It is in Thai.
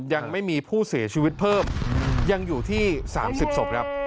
ยังไม่มีผู้เสียชีวิตเพิ่มยังอยู่ที่๓๐ศพครับ